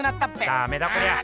ダメだこりゃ。